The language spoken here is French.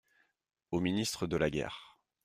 Au ministre de la guerre.